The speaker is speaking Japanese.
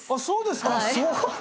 そうですか。